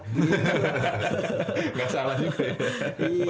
enggak salah juga ya